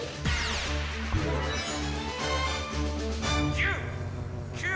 「１０９８」。